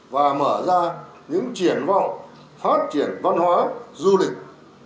và mở ra những triển vọng phát triển văn hóa du lịch